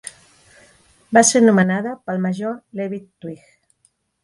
Va ser nomenada pel major Levi Twiggs.